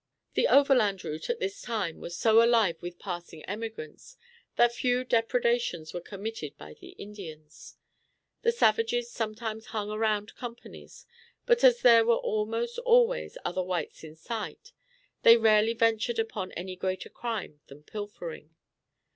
The overland route, at this time, was so alive with passing emigrants, that few depredations were committed by the Indians. The savages sometimes hung around companies, but as there were almost always other whites in sight, they rarely ventured upon any greater crime than pilfering.